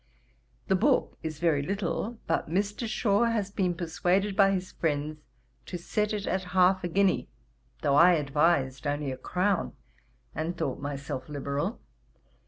'The book is very little, but Mr. Shaw has been persuaded by his friends to set it at half a guinea, though I advised only a crown, and thought myself liberal.